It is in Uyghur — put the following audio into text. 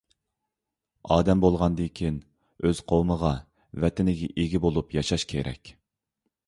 ئادەم بولغاندىكىن ئۆز قوۋمىغا، ۋەتىنىگە ئىگە بولۇپ ياشاش كېرەك.